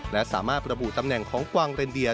และสามารถระบุตำแหน่งของกวางเรนเดีย